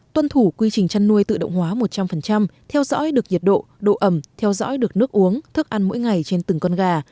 tuân thủ quy trình chăn nuôi tự động hóa một trăm linh theo dõi được nhiệt độ độ ẩm theo dõi được nước uống thức ăn mỗi ngày trên từng con gà